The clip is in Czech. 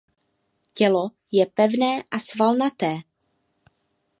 Tělo je pevné a svalnaté.